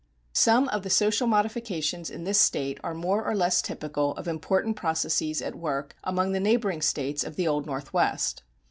Some of the social modifications in this State are more or less typical of important processes at work among the neighboring States of the Old Northwest.